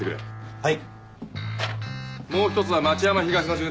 はい。